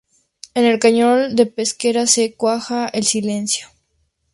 En el cañón de Pesquera se cuaja el silencio.